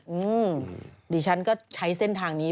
อืมดิฉันก็ใช้เส้นทางนี้